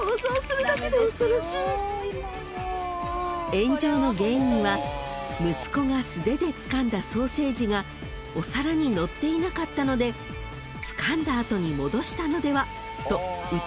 ［炎上の原因は息子が素手でつかんだソーセージがお皿にのっていなかったのでつかんだ後に戻したのではと疑われたから］